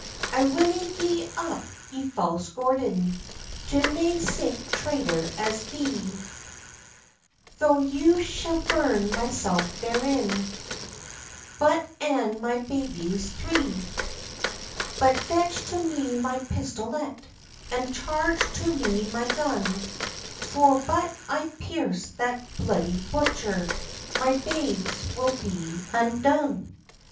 "I winna gi'e up, ye false Gordon, To nae sic traitor as thee; Tho' you shou'd burn mysel' therein, Bot and my babies three. ["But fetch to me my pistolette, And charge to me my gun; For, but if I pierce that bluidy butcher, My babes we will be undone."